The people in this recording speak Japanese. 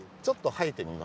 はい。